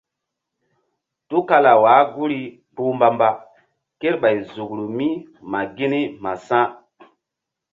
Tukala wah guri kpuh mbamba kerɓay zukru mi ma gini ma sa̧.